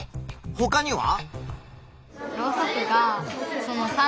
ほかには？